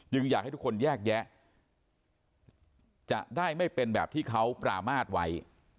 อยากให้ทุกคนแยกแยะจะได้ไม่เป็นแบบที่เขาปรามาทไว้